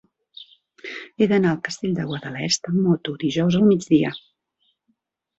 He d'anar al Castell de Guadalest amb moto dijous al migdia.